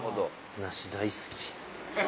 梨大好き！